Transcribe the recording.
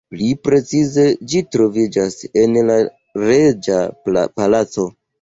Pli precize ĝi troviĝas en la reĝa palaco.